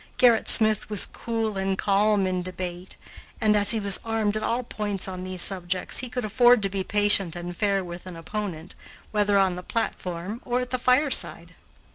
Gerrit Smith was cool and calm in debate, and, as he was armed at all points on these subjects, he could afford to be patient and fair with an opponent, whether on the platform or at the fireside.